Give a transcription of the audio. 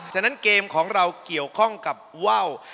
ฉะนั้นเกมของเราเกี่ยวข้องกับว่าว